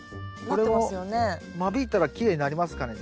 これも間引いたらきれいになりますかね？